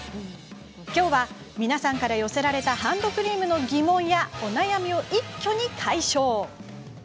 きょうは、皆さんから寄せられたハンドクリームの疑問やお悩みを一挙に解消。